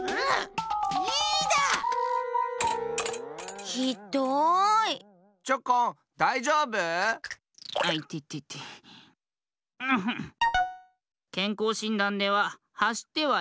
あいててて。